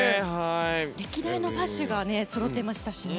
歴代のバッシュがそろっていましたしね。